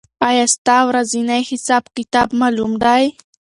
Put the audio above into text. آیا ستا ورځنی حساب کتاب معلوم دی؟